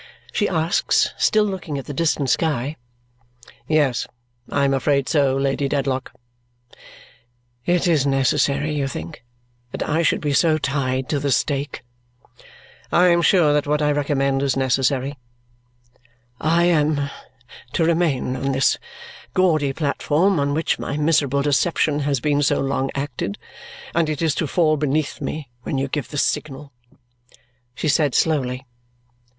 she asks, still looking at the distant sky. "Yes, I am afraid so, Lady Dedlock." "It is necessary, you think, that I should be so tied to the stake?" "I am sure that what I recommend is necessary." "I am to remain on this gaudy platform on which my miserable deception has been so long acted, and it is to fall beneath me when you give the signal?" she said slowly.